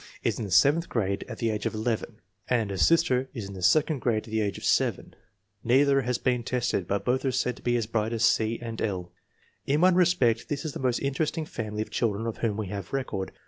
is in the seventh grade at the age of 11, and a sister is in the second grade at the age of 7. Neither has been tested, but both are said to be as bright as C. and L. In one respect this is the most interesting family of children of whom we have record.